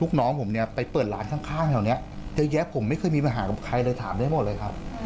น้องผมเนี่ยไปเปิดร้านข้างแถวนี้เยอะแยะผมไม่เคยมีปัญหากับใครเลยถามได้หมดเลยครับ